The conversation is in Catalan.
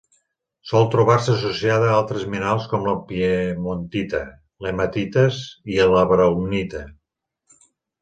Sol trobar-se associada a altres minerals com la piemontita, l'hematites i la braunita.